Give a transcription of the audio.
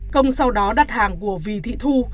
công sau đó đặt hàng của vy thị thu